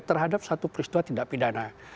terhadap satu peristiwa tindak pidana